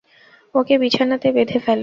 ওকে বিছানাতে বেঁধে ফেল।